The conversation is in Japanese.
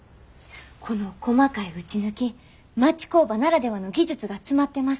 この細かい打ち抜き町工場ならではの技術が詰まってます。